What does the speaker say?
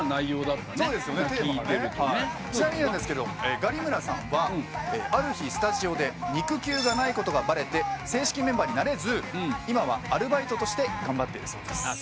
ちなみにガリ村さんはある日スタジオで肉球がないことがバレて正式メンバーになれず今はアルバイトとして頑張っているそうです。